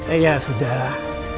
eh ya sudah